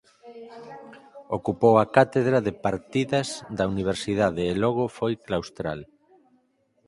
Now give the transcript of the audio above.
Ocupou a cátedra de Partidas da Universidade e logo foi claustral.